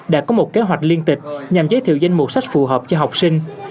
đã có một kế hoạch liên tịch nhằm giới thiệu danh mục sách phù hợp cho học sinh